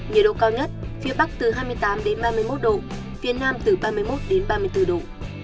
nhiệt độ cao nhất phía bắc từ hai mươi tám ba mươi một độ phía nam từ ba mươi một đến ba mươi bốn độ